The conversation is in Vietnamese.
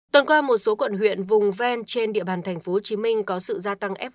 tuần qua một số quận huyện vùng ven trên địa bàn tp hcm có sự gia tăng f hai